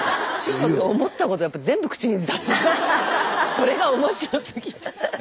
それが面白すぎて。